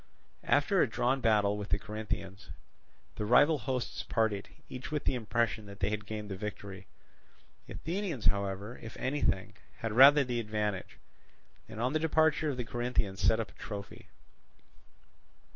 After a drawn battle with the Corinthians, the rival hosts parted, each with the impression that they had gained the victory. The Athenians, however, if anything, had rather the advantage, and on the departure of the Corinthians set up a trophy.